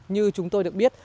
như chúng tôi được biết